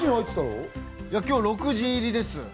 今日６時入りです。